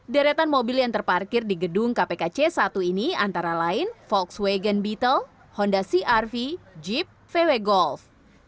deretan mobil yang terparkir di gedung kpk c satu ini antara lain volkswagen beetle honda crv jeep vw golf